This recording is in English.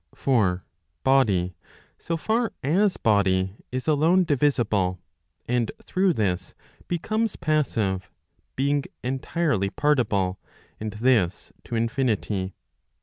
For body, so far as body, is, alone divisible, and through this becomes passive, being entirely partible, and this to infinity.